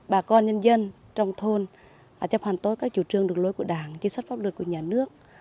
bà con nhân dân trong thôn chấp hoàn tốt các chủ trương đường lối của đảng chính sách pháp luật của nhà nước